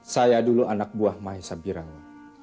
saya dulu anak buah maesha birawa